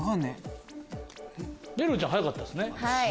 めるるちゃん早かったですね。